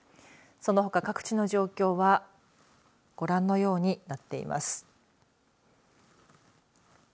そのほか各地の状況はご覧のようになっています。